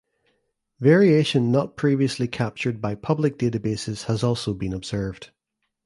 Variation not previously captured by public databases has also been observed.